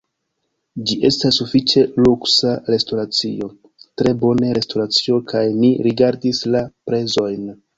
ĝi estas sufiĉe luksa restoracio tre bone restoracio kaj ni rigardis la prezojn